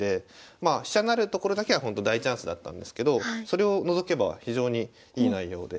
まあ飛車成るところだけはほんと大チャンスだったんですけどそれを除けば非常にいい内容で。